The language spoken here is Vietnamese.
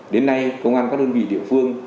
đến nay công an các đơn vị địa phương